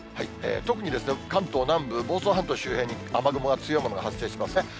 特に、関東南部、房総半島周辺に雨雲が、強いものが発生しますね。